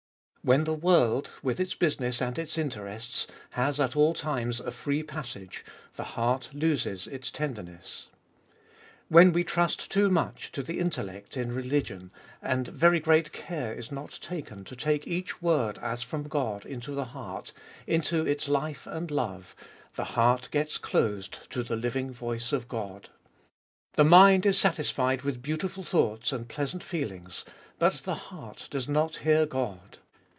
When the world, with its business and its interests, has at all times a free passage, the heart loses its tenderness. When we trust too much to the intellect in religion, and very great care is not taken to take each word as from God into the heart, into its life and love, the ibolfest of BU 117 heart gets closed to the living voice of God. The mind is satis fied with beautiful thoughts and pleasant feelings ; but the heart does not hear God.